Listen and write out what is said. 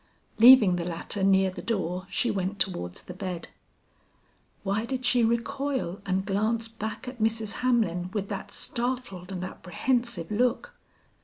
Leaving the latter near the door, she went towards the bed. Why did she recoil and glance back at Mrs. Hamlin with that startled and apprehensive look?